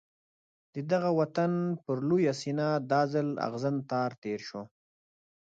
د دغه وطن پر لویه سینه دا ځل اغزن تار تېر شو.